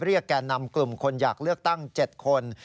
แก่นำกลุ่มคนอยากเลือกตั้ง๗คน